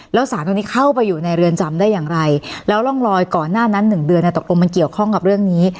แล้วสารตรงนี้เข้าไปอยู่ในเรือนจำได้อย่างไรแล้วร่องรอยก่อนหน้านั้น๑เดือนตกลงมันเกี่ยวข้องกับเรื่องนี้